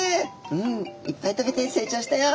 「うんいっぱい食べて成長したよ」。